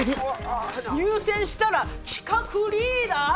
入選したら企画リーダー！？